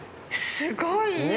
すごい家。